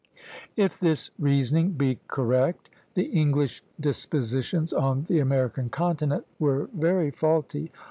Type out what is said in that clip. If this reasoning be correct, the English dispositions on the American continent were very faulty.